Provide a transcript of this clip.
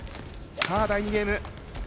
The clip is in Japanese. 第２ゲーム